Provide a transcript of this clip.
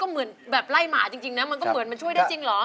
เหมือนแบบไล่หมาจริงนะมันก็เหมือนมันช่วยได้จริงเหรอ